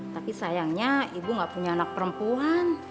tapi sayangnya ibu gak punya anak perempuan